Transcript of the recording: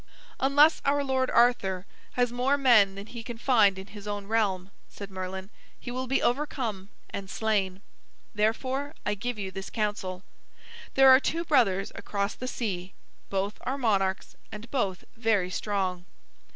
"Unless our lord Arthur has more men than he can find in his own realm," said Merlin, "he will be overcome and slain. Therefore I give you this counsel. There are two brothers across the sea; both are monarchs and both very strong.